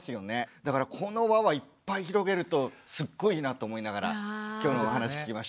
だからこの輪はいっぱい広げるとすっごいいいなと思いながら今日のお話聞きました。